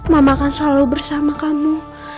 mama akan selalu bersama kamu